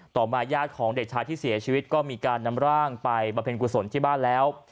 ต่อมาญาติของเด็กชายที่เสียชีวิตก็มีการนำร่างไปบำเพ็ญกุศลที่บ้านแล้ว